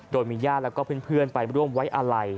โดยมีญาติแล้วก็เพื่อนไปร่วมไว้อาลัย